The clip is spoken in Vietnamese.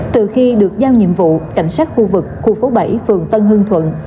từ khi được giao nhiệm vụ cảnh sát khu vực khu phố bảy phường tân hương thuận